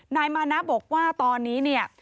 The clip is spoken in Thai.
นายมานะบอกว่าตอนนี้เนี่ย